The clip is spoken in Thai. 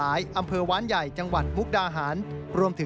ว่าถนนในพื้นที่นครพนมร้องทุกข่าวไทยรัฐทีวีครับ